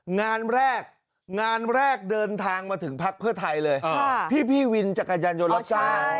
งานแรกงานแรกเดินทางมาถึงพักเพื่อไทยเลยพี่วินจักรยานยนต์รับจ้าง